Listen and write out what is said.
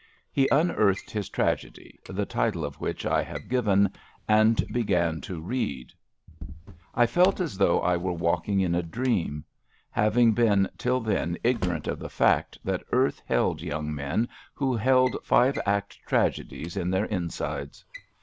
He unearthed his tragedy, the title of which I have given, and began to read. I felt as though I were walking in a dream; having been till then ignorant of the fact that earth held young men who held five act tragedies in their insides.